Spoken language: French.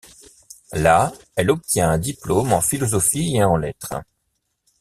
Là, elle obtient un diplôme en philosophie et en Lettres.